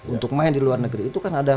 untuk main di luar negeri itu kan ada